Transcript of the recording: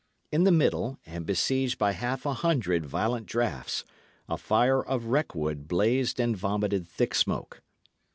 In the middle, and besieged by half a hundred violent draughts, a fire of wreck wood blazed and vomited thick smoke.